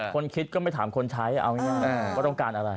คนคิดก็ไม่ตามคนใช้ขอตรงการอะไร